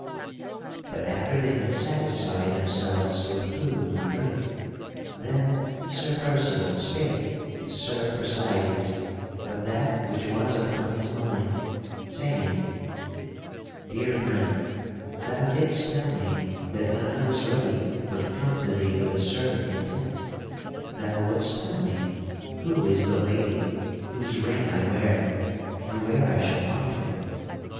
But after they had satisfied themselves with food and drink, then Sir Percival spake to Sir Percydes of that which was upon his mind, saying: "Dear friend, thou didst tell me that when I was ready for to come to thee with a certain intent thou wouldst tell me who is the lady whose ring I wear and where I shall find her.